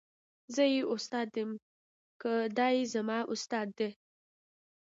زه یې استاد یم که دای زما استاد دی.